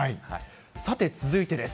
さて、続いてです。